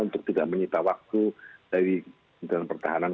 tidak menyita waktu dari pemberantanan pertahanan